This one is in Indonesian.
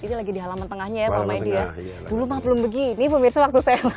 ini lagi di halaman tengahnya ya pak